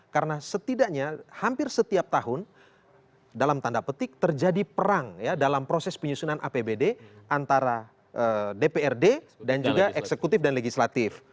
karena setidaknya hampir setiap tahun dalam tanda petik terjadi perang ya dalam proses penyusunan apbd antara dprd dan juga eksekutif dan legislatif